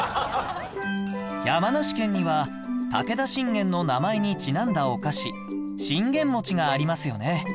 山梨県には武田信玄の名前にちなんだお菓子信玄餅がありますよね